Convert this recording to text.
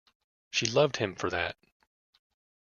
She loved him for that.